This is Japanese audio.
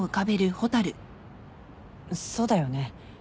そうだよね。